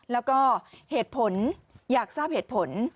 แล้วก็เหตุผลอยากทราบเหตุผล